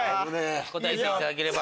答えていただければ。